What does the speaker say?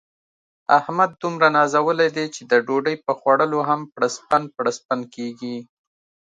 احمد دومره نازولی دی، چې د ډوډۍ په خوړلو هم پړسپن پړسپن کېږي.